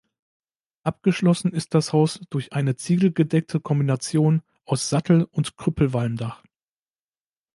Abgeschlossen ist das Haus durch eine ziegelgedeckte Kombination aus Sattel- und Krüppelwalmdach.